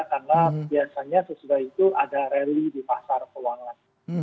karena biasanya sesudah itu ada rally di pasar keuangan